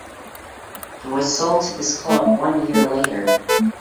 He was sold to this club one year later.